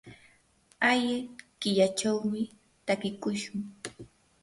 aya killachawmi takiykushun.